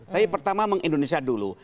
tapi pertama meng indonesia dulu